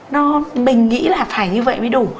nó mình nghĩ là phải như vậy mới đủ